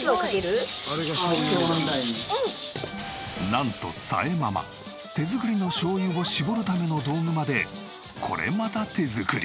なんとさえママ手作りのしょう油を搾るための道具までこれまた手作り。